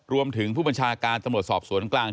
รวมถึงผู้บัญชาการตำรวจสอบสวนกลาง